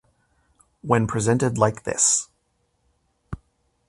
When presented like this